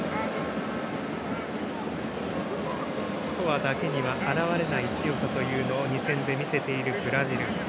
スコアだけには現れない強さというのを２戦で見せているブラジル。